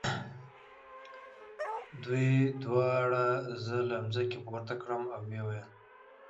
دوی دواړو زه له مځکې پورته کړم او ویې ویل.